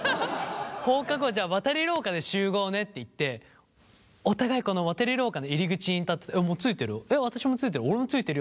放課後はじゃあ渡り廊下で集合ねって言ってお互いこの渡り廊下の入り口に立ってて「もう着いてるよ」